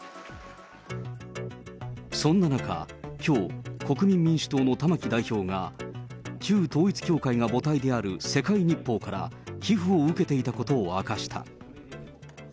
そんな中、きょう、国民民主党の玉木代表が、旧統一教会が母体である世界日報から寄付を受けていたことを明かした。